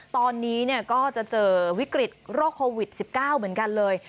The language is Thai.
ตอนนี้ก็จะเจอวิกฤตโรคโควิด๑๙เหมือนกันเลย